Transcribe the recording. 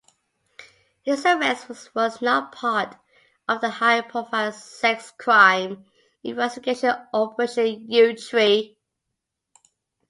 His arrest was not part of the high-profile sex crime investigation Operation Yewtree.